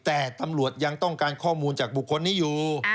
แต่ตำรวจยังต้องการข้อมูลจากบุคคลนี้อยู่